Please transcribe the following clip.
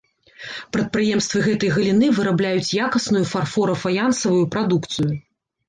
Прадпрыемствы гэтай галіны вырабляюць якасную фарфора-фаянсавую прадукцыю.